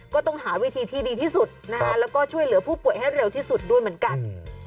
ก็ต้องหาวิธีที่ดีที่สุดนะคะแล้วก็ช่วยเหลือผู้ป่วยให้เร็วที่สุดด้วยเหมือนกัน